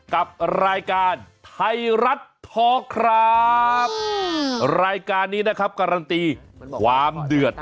กับรายการไทยรัฐทอล์ครับรายการนี้นะครับการันตีความเดือด